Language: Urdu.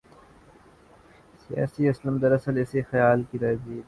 'سیاسی اسلام‘ دراصل اسی خیال کی تجدید و احیا ہے۔